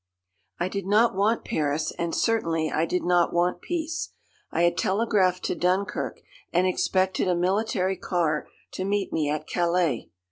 "I did not want Paris and certainly I did not want peace. I had telegraphed to Dunkirk and expected a military car to meet me at Calais.